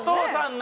何？